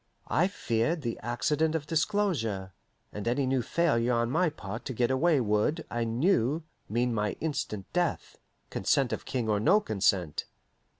I feared the accident of disclosure, and any new failure on my part to get away would, I knew, mean my instant death, consent of King or no consent.